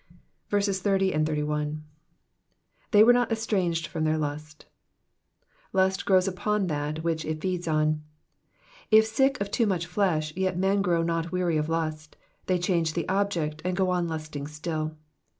30. 81. ^^They were not estranged from their lusf^ Lust grows upon that which it feeds on. If sick of too much flesh, yet men grow not weary of lust, they change the object, and go on lusting still.